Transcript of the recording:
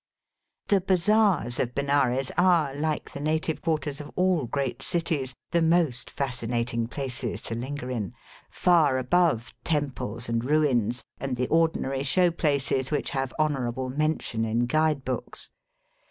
The bazaars of Benares are, like the native quarters of all great cities, the most fascinat ing places to linger in, far above temples and ruins and the ordinary show places which have honourable mention in guide books.